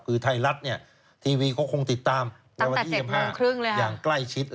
คือไทยรัฐทีวีก็คงติดตามตั้งแต่๗๓๐อย่างใกล้ชิด